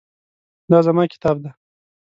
دا زما کتاب دی